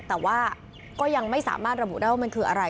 แต่ว่าก็ยังไม่สามารถระบุได้ว่ามันคืออะไร